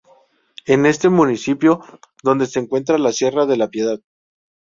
Es en este municipio donde se encuentra la Sierra de la Piedad.